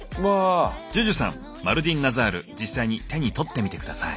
ＪＵＪＵさんマルディンナザール実際に手に取ってみて下さい。